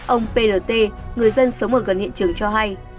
ông prt người dân sống ở gần hiện trường cho hay